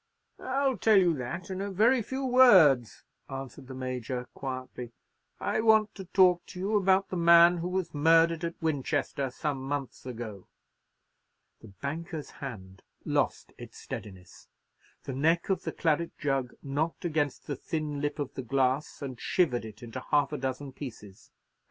"I'll tell you that in a very few words," answered the Major, quietly; "I want to talk to you about the man who was murdered at Winchester some months ago." The banker's hand lost its steadiness, the neck of the claret jug knocked against the thin lip of the glass, and shivered it into half a dozen pieces.